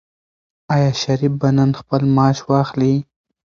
آیا شریف به نن خپل معاش واخلي؟